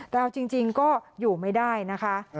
แต่เอาจริงก็อยู่ไม่ได้นะคะ